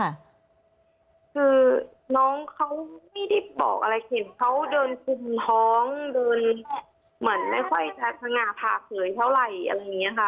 คือน้องเขาไม่ได้บอกอะไรเห็นเขาเดินคุมท้องเดินเหมือนไม่ค่อยชัดสง่าผ่าเผยเท่าไหร่อะไรอย่างนี้ค่ะ